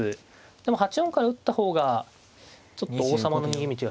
でも８四から打った方がちょっと王様の逃げ道が広いから。